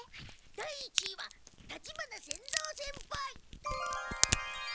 第一位は立花仙蔵先輩」！